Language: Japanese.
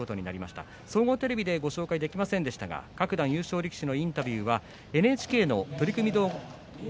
総合テレビでお伝えできませんでしたが各力士のインタビューはＮＨＫの取組